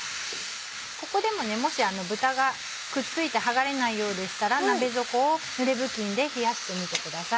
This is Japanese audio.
ここでももし豚がくっついてはがれないようでしたら鍋底をぬれ布巾で冷やしてみてください。